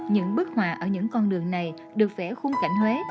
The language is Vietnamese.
những bích họa ở những con đường này được vẽ khung cảnh huế